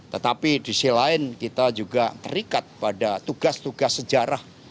tetapi di sisi lain kita juga terikat pada tugas tugas sejarah